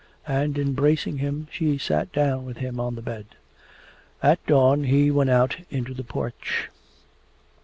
And embracing him she sat down with him on the bed. At dawn he went out into the porch.